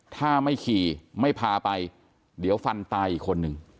ถ้าไม่ขี่ไม่พาไปเดี๋ยวฟันตายอีกคนนึง